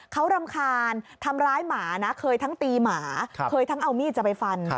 เขารำคาญทำร้ายหมานะเคยทั้งตีหมาเคยทั้งเอามีดจะไปฟัน